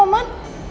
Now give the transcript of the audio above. gue mau kelas